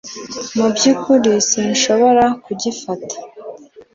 Mu byukuri sinshobora kugifata